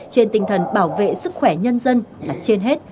trên tinh thần bảo vệ sức khỏe nhân dân là trên hết